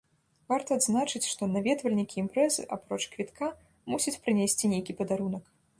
Варта адзначыць, што наведвальнікі імпрэзы апроч квітка мусяць прынесці нейкі падарунак.